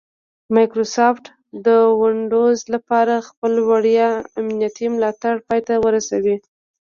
مایکروسافټ د ونډوز لپاره خپل وړیا امنیتي ملاتړ پای ته ورسوي